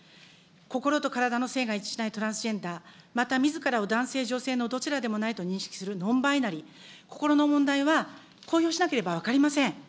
心と体の性が一致しないトランスジェンダー、またみずからを男性・女性のどちらでもないと認識するノンバイナリー、心の問題は公表しなければ分かりません。